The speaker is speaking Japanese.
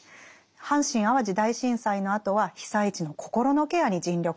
阪神・淡路大震災のあとは被災地の「心のケア」に尽力しました。